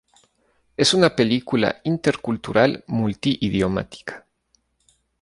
Es una película intercultural multi-idiomática.